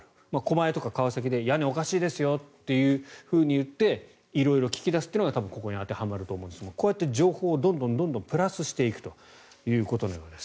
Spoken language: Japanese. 狛江とか川崎で屋根、おかしいですよと言って色々聞き出すというのがここに当てはまると思うんですがどんどん情報をプラスしていくということのようです。